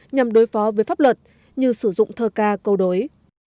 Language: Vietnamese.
nhằm đối phó với pháp luật như sử dụng thơ ca câu đối